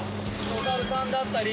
お猿さんだったり。